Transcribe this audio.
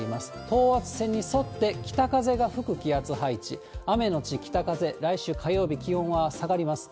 等圧線に沿って北風が吹く気圧配置、雨後北風、来週火曜日、気温は下がります。